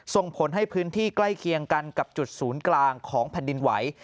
ส่งผลให้พื้นที่ใกล้เคียงกันกับจุดศูนย์กลางของแผ่นดินไหว